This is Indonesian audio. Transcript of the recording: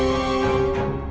aku akan kembali ke rumah